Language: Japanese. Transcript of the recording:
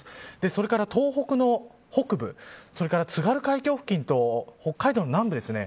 それから東北の北部それから津軽海峡付近と北海道の南部ですね。